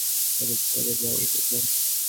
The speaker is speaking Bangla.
আমাদের তাদের ছেড়ে দেয়া উচিত নয়!